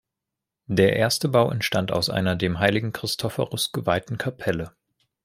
Der erste Bau entstand aus einer dem heiligen Christophorus geweihten Kapelle.